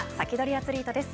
アツリートです。